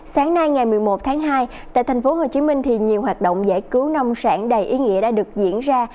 sáng nay ngày một mươi một tháng hai tại thành phố hồ chí minh nhiều hoạt động giải cứu nông sản đầy ý nghĩa đã được diễn ra